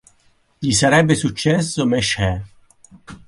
Gli sarebbe successo Mesh-He.